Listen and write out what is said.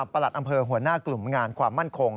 อำเภอหัวหน้ากลุ่มงานความมั่นคง